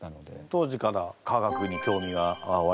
当時から科学に興味がおありで？